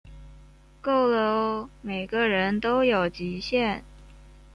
够了喔，每个人都有极限